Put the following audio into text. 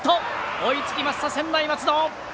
追いつきました専大松戸！